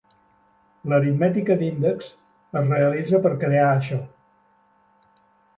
L'aritmètica d'índexs es realitza per crear això.